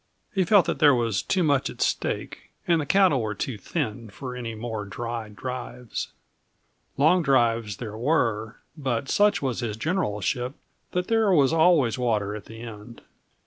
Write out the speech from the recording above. He felt that there was too much at stake, and the cattle were too thin for any more dry drives; long drives there were, but such was his generalship that there was always water at the end.